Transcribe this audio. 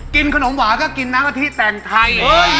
กินขนมหวานก็กินน้ำกะทิแต่งไทย